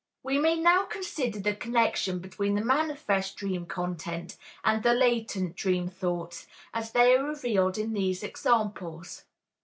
We may now consider the connection between the manifest dream content and the latent dream thoughts as they are revealed in these examples.